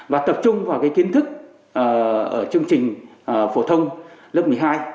và tập trung vào cái kiến thức ở chương trình phổ thông lớp một mươi hai